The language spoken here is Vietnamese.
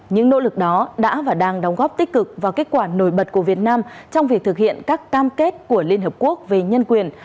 những nỗ lực đó đã và đang đóng góp tích cực và kết quả nổi bật của việt nam trong việc thực hiện các cam kết của liên hợp quốc về nhân quyền